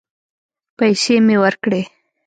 پيسې مې ورکړې.